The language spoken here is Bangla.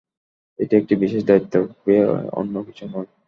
এটি একটি বিশেষ দায়িত্ব বৈ অন্য কিছু নয়।